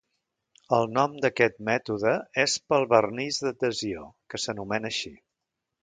El nom d'aquest mètode és pel vernís d'adhesió, que s'anomena així.